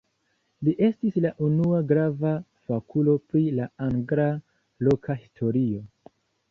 Li estis la unua grava fakulo pri la angla loka historio.